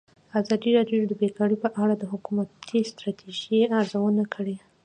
ازادي راډیو د بیکاري په اړه د حکومتي ستراتیژۍ ارزونه کړې.